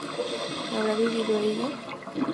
¿habrá vivido ella?